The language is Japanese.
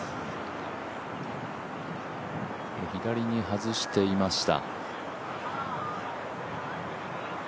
左に外していました。